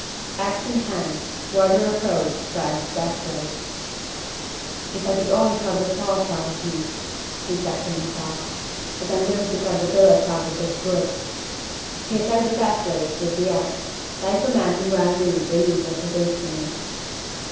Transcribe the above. Ax in hand, Wardour approached Frank's bed place. "If I could only cut the thoughts out of me," he said to himself, "as I am going to cut the billets out of this wood!" He attacked the bed place with the ax, like a man who well knew the use of his instrument.